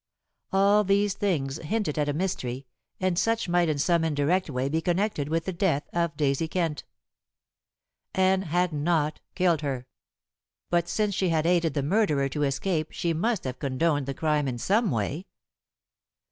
All these things hinted at a mystery, and such might in some indirect way be connected with the death of Daisy Kent. Anne had not killed her; but since she had aided the murderer to escape she must have condoned the crime in some way.